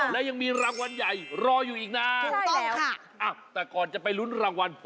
แต่อย่างนี้ละกันหลายคนเขาก็อยากจะได้ใช่ไหม